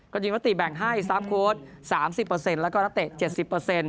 ก็จริงประติแบ่งให้สามโค้ด๓๐แล้วก็นัตเตะ๗๐